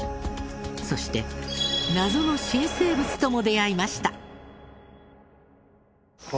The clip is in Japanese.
そして謎の新生物とも出会いました。